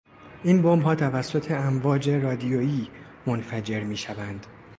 این بمبها توسط امواج رادیویی منفجر میشوند.